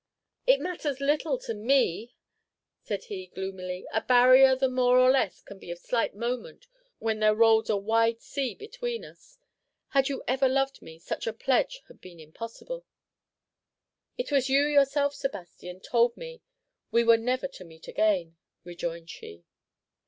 "It matters little to me!" said he, gloomily; "a barrier the more or the less can be of slight moment when there rolls a wide sea between us! Had you ever loved me, such a pledge had been impossible." "It was you yourself, Sebastian, told me we were never to meet again," rejoined she.